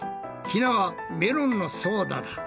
ひなはメロンのソーダだ。